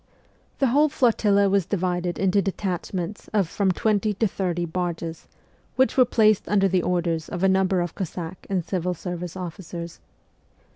The. whole flotilla was divided into detachments of from twenty to thirty barges, which were placed under the orders of a number of Cossack and civil service officers.